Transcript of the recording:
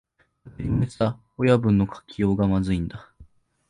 当たり前さ、親分の書きようがまずいんだ